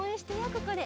ここで。